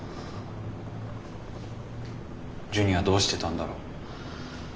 ジュニはどうしてたんだろう。